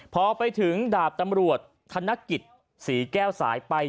พอไปถึงดาบตำรวจธรรมนักกิจสี่แก้วสายไป